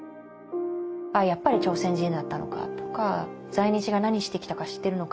「ああやっぱり朝鮮人だったのか」とか「在日が何してきたか知ってるのか？」